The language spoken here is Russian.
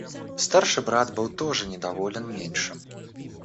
Старший брат был тоже недоволен меньшим.